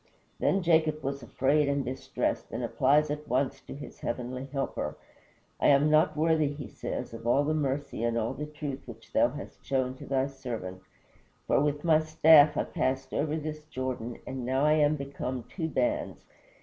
Then Jacob was afraid and distressed, and applies at once to his heavenly Helper. "I am not worthy," he says, "of all the mercy and all the truth which thou hast shown to thy servant, for with my staff I passed over this Jordan and now I am become two bands.